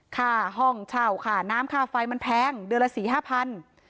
ค่าห้องเช่าค่าน้ำค่าไฟมันแพงเดือนละ๔๐๐๐๕๐๐๐บาท